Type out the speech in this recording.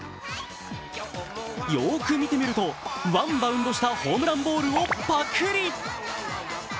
よーく見てみると、ワンバウンドしたホームランボールをパクリ。